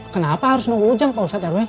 kenapa harus nunggu ujang pak ustadz rw